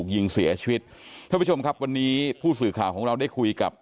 ยิงเสียชีวิตท่านผู้ชมครับวันนี้ผู้สื่อข่าวของเราได้คุยกับ